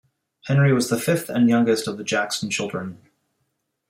Henry was the fifth and youngest of the Jackson children.